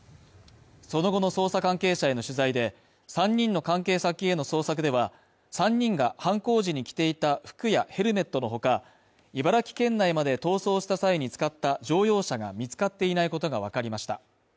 その後の捜査関係者への取材で３人の関係先への捜索では、３人が犯行時に着ていた服やヘルメットのほか、茨城県内まで逃走した際に使った乗用車が見つかっていないことがわかりました。